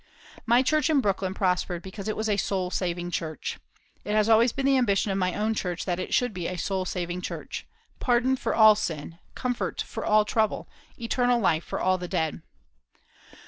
My church in Brooklyn prospered because it was a soul saving church. It has always been the ambition of my own church that it should be a soul saving church. Pardon for all sin! Comfort for all trouble! Eternal life for all the dead!